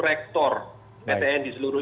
rektor ptn di seluruh